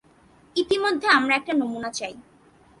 ইতিমধ্যে আমরা একটা নমুনা চাই।